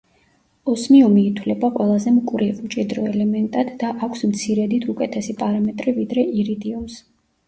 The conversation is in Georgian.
ოსმიუმი ითვლება ყველაზე მკვრივ, მჭიდრო ელემენტად, და აქვს მცირედით უკეთესი პარამეტრი ვიდრე ირიდიუმს.